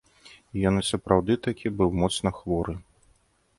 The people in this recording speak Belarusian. Ён і сапраўды такі быў моцна хворы.